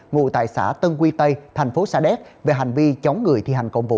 ngụ tại xã tân quy tây thành phố sa đéc về hành vi chống người thi hành công vụ